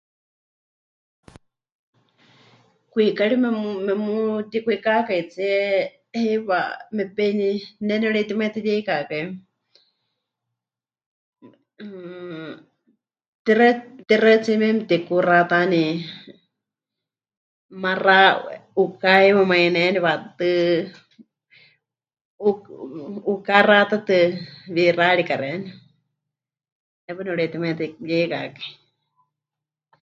Kwikari memu... memutikwikákaitsie heiwa mepe... ne nepɨreitimaitɨyeikakai, mmm, tixaɨ, tixaɨtsíe mieme mɨtikuxatani: maxa, 'uká heiwa maineni waʼatɨɨ́tɨ 'u... 'u... 'uká xatatɨ, wixárika xeeníu, ne paɨ nepɨreitimaitɨyeikakai.